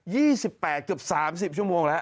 ๒๘เกือบ๓๐ชั่วโมงแล้ว